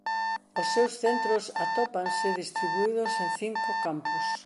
Os seus centros atópanse distribuídos en cinco campus.